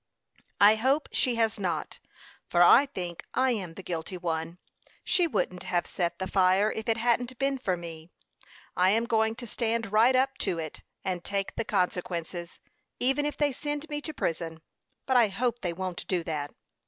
"I hope she has not; for I think I am the guilty one. She wouldn't have set the fire if it hadn't been for me. I am going to stand right up to it, and take the consequences, even if they send me to prison; but I hope they won't do that."